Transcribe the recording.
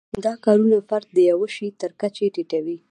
دا کارونه فرد د یوه شي تر کچې ټیټوي.